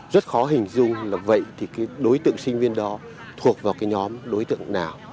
rất khó hình dung là vậy thì đối tượng sinh viên đó thuộc vào nhóm đối tượng nào